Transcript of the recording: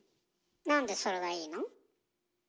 なんでそれがいいの？